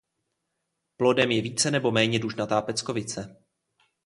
Plodem je více nebo méně dužnatá peckovice.